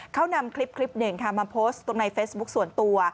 เขานำคลิปหนึ่งค่ะมาโพสต์ตรงในเฟซบุ๊คส่วนตัว